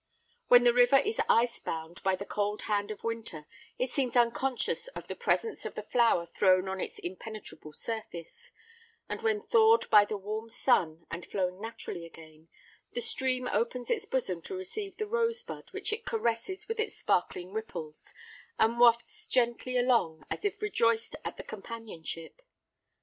When the river is ice bound by the cold hand of winter it seems unconscious of the presence of the flower thrown on its impenetrable surface; but when thawed by the warm sun, and flowing naturally again, the stream opens its bosom to receive the rose bud which it caresses with its sparkling ripples, and wafts gently along as if rejoiced at the companionship.